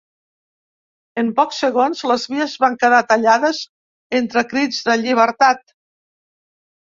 En pocs segons les vies van quedar tallades entre crits de ‘llibertat’.